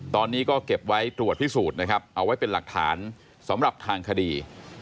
ตอนนี้ก็เก็บไว้ตรวจพิสูจน์นะครับเอาไว้เป็นหลักฐานสำหรับทางคดี